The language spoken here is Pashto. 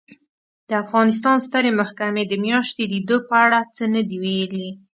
د افغانستان سترې محکمې د میاشتې لیدو په اړه څه نه دي ویلي